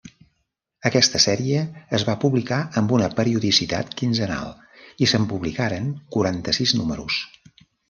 Aquesta sèrie es va publicar amb una periodicitat quinzenal i se'n publicaren quaranta-sis números.